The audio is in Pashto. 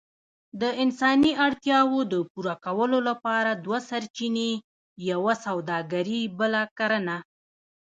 د انساني اړتياوو د پوره کولو لپاره دوه سرچينې، يوه سووداګري بله کرنه.